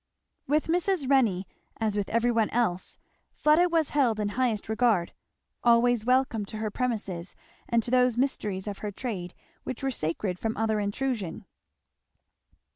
With Mrs. Renney as with every one else Fleda was held in highest regard; always welcome to her premises and to those mysteries of her trade which were sacred from other intrusion.